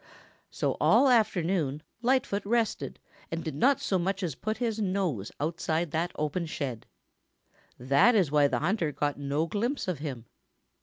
So all afternoon Lightfoot rested and did not so much as put his nose outside that open shed. That is why the hunter got no glimpse of him.